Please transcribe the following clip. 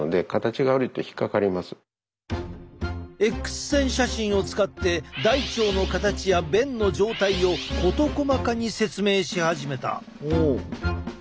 Ｘ線写真を使って大腸の形や便の状態を事細かに説明し始めた。